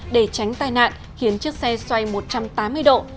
để tránh tai nạn khiến chiếc xe xoay một trăm tám mươi độ